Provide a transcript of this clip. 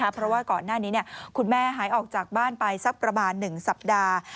เพราะว่าก่อนหน้านี้คุณแม่หายออกจากบ้านไปสักประมาณ๑สัปดาห์